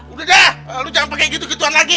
udah udah lo jangan pake gitu gituan lagi